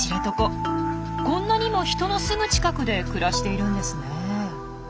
こんなにも人のすぐ近くで暮らしているんですねえ。